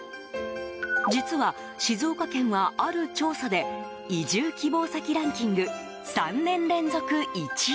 実は、静岡県はある調査で移住希望先ランキング３年連続１位。